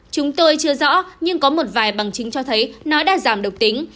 chúng tôi chưa rõ nhưng có một vài bằng chứng cho thấy nó đã giảm độc tính